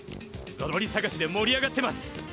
ゾロリさがしでもり上がってます。